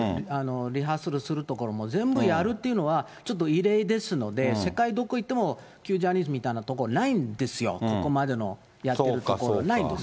リハーサルする所も全部やるというのは、ちょっと異例ですので、世界どこ行っても、旧ジャニーズみたいな所、ないんですよ、ここまでのやってるところないんです。